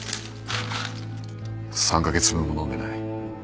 ３カ月分も飲んでない